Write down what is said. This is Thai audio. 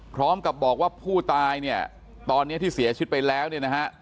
พร้อมกับบอกว่าผู้ตายเนี่ยตอนนี้ที่เสียชีวิตไปแล้วเนี่ยนะฮะ